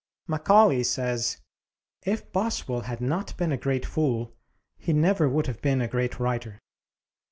Macaulay says, "If Boswell had not been a great fool he never would have been a great writer."